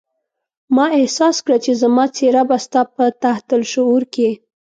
ما احساس کړه چې زما څېره به ستا په تحت الشعور کې.